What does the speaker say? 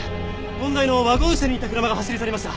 問題のワゴン車に似た車が走り去りました！